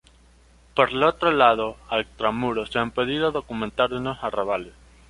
Por otro lado, a extramuros se han podido documentar unos arrabales.